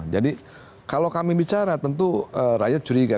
jadi kalau kami bicara tentu rakyat curiga